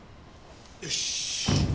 よし。